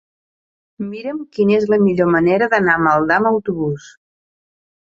Mira'm quina és la millor manera d'anar a Maldà amb autobús.